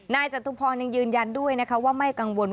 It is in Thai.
จตุพรยังยืนยันด้วยนะคะว่าไม่กังวล